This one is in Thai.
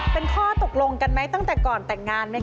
เป็นข้อตกลงกันไหมตั้งแต่ก่อนแต่งงานไหมค